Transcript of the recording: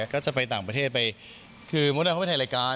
ก็จะไปต่างประเทศไปคือมดดำเขาไปถ่ายรายการ